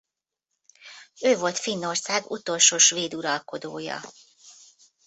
Ő volt Finnország utolsó svéd uralkodója.